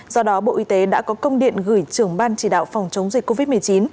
do đó bộ y tế đã có công điện gửi trưởng ban chỉ đạo phòng chống dịch covid một mươi chín